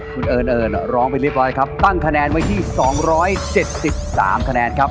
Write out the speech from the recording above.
คุณเอิ้นเอิ้นร้องไปเรียบร้อยครับตั้งคะแนนไว้ที่สองร้อยเจ็ดสิบสามคะแนนครับ